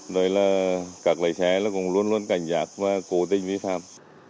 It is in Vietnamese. rồi là các loại xe nó cũng luôn luôn cảnh giác và cố tinh vi phạm